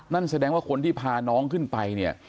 นั่นแสดงว่าคนที่พาน้องขึ้นไปเนี่ย